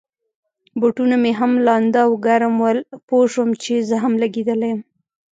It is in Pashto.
بوټونه مې هم لانده او ګرم ول، پوه شوم چي زه هم لګېدلی یم.